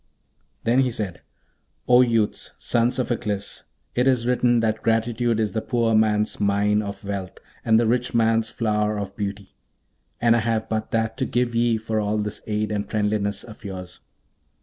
Then said he, 'O youths, Sons of Aklis, it is written that gratitude is the poor man's mine of wealth, and the rich man's flower of beauty; and I have but that to give ye for all this aid and friendliness of yours.'